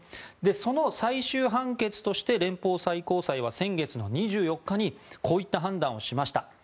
その最終判決として連邦最高裁は先月２４日にこういう判断をしました。